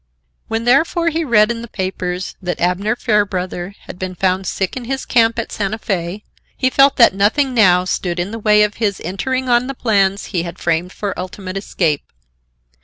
When therefore he read in the papers that "Abner Fairbrother" had been found sick in his camp at Santa Fe, he felt that nothing now stood in the way of his entering on the plans he had framed for ultimate escape.